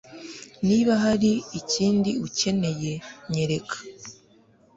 niba hari ikindi ukeneye, nyereka